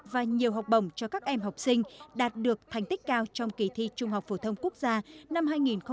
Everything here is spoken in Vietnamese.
và nhiều học bổng cho các em học sinh đạt được thành tích cao trong kỳ thi trung học phổ thông quốc gia năm hai nghìn một mươi tám